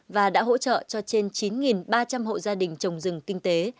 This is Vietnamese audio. và đã hỗ trợ cho trên chín ba trăm linh hộ gia đình trồng rừng kinh tế